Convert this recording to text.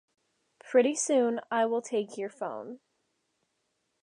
Pretty soon, I will take your phone.